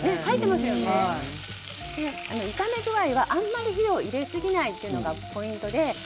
炒め具合は火を入れすぎないということがポイントです。